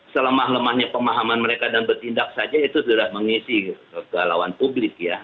selemah lemahnya pemahaman mereka dan bertindak saja itu sudah mengisi kegalauan publik ya